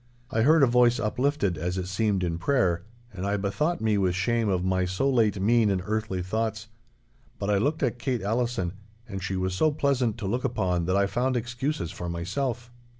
I heard a voice uplifted as it seemed in prayer, and I bethought me with shame of my so late mean and earthly thoughts; but I looked at Kate Allison, and she was so pleasant to look upon that I found excuses for myself.